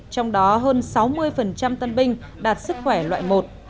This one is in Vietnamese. trong đó hơn sáu mươi tân binh đạt sức khỏe loại một